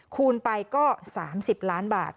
คูณไปก็๓๐ล้านบาท